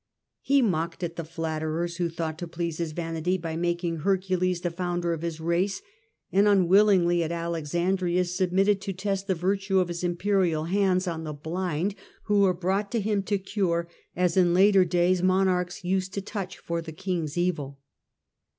He mocked at the flatterers who thought to please his vanity by making Hercules the founder of his race; and unwill ingly, at Alexandria, submitted to test the virtue of his imperial hands on the blind who were brought to him to cure, as in later days monarchs used to touch for the king^s evil.